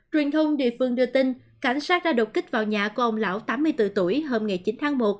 truyền thông địa phương đưa tin cảnh sát đã đột kích vào nhà của ông lão tám mươi bốn tuổi hôm ngày chín tháng một